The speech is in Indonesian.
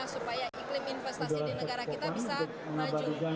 supaya iklim investasi di negara kita bisa maju